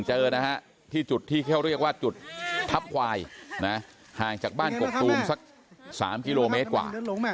เจอนะฮะที่จุดที่เขาเรียกว่าจุดทัพควายห่างจากบ้านกกตูมสัก๓กิโลเมตรกว่า